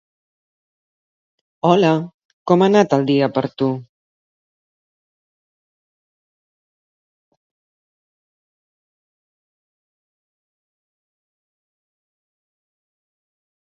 Hola, com ha anat el dia per a tu?